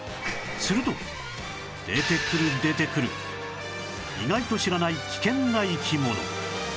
すると出てくる出てくる意外と知らない危険な生き物